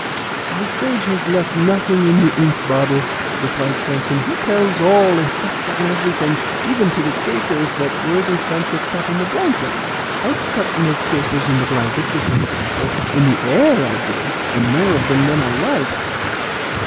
"The sage has left nothing in the ink bottle," replied Samson; "he tells all and sets down everything, even to the capers that worthy Sancho cut in the blanket." "I cut no capers in the blanket," returned Sancho; "in the air I did, and more of them than I liked."